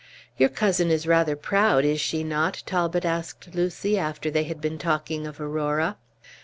"Your cousin is rather proud, is she not?" Talbot asked Lucy, after they had been talking of Aurora.